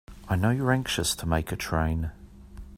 I know you're anxious to make a train.